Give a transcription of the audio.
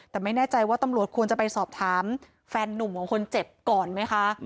แต่ไม่แน่ใจว่าตำรวจควรจะไปสอบถามแฟนนุ่มของคนเจ็บก่อนไหมคะ